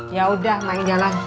yaudah main jalan